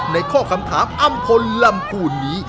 ในข้อคำถามอำพลลำพูนนี้